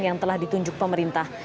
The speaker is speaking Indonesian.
yang telah ditunjuk pemerintah